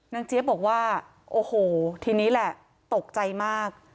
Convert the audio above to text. เจี๊ยบบอกว่าโอ้โหทีนี้แหละตกใจมาก